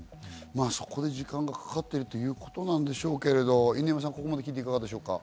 そこで時間がかかっているということなんでしょうけれど、犬山さんはここまで聞いていかがです？